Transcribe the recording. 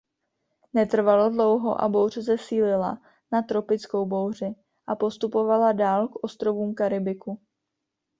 Netrvalo dlouho a bouře zesílila na tropickou bouři a postupovala dál k ostrovům Karibiku.